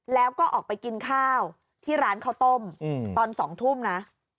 แล้วก็ออกไปกินข้าวที่ร้านข้าวต้มตอน๒ทุ่มนะ